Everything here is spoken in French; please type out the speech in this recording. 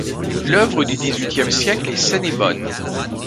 L’œuvre du dix-huitième siècle est saine et bonne.